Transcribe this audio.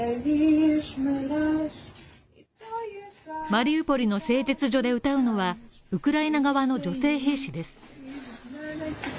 マリウポリの製鉄所で歌うのは、ウクライナ側の女性兵士です。